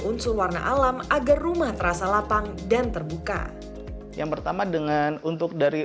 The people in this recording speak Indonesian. unsur warna alam agar rumah terasa lapang dan terbuka yang pertama dengan untuk dari